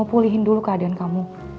pulihin dulu keadaan kamu